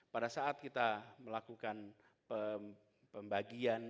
pada saat kita melakukan pembagian